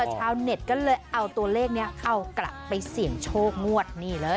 ชาวเน็ตก็เลยเอาตัวเลขนี้เอากลับไปเสี่ยงโชคงวดนี่เลย